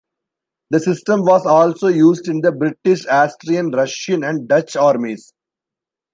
The system was also used in the British, Austrian, Russian and Dutch armies.